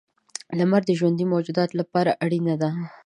• لمر د ژوندي موجوداتو لپاره اړینه دی.